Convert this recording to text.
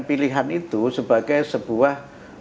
pilihan itu sebagai sebuah